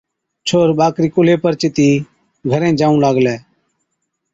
ڇوهر ٻاڪرِي ڪُلهي پر چتِي گھرين جائُون لاگلي،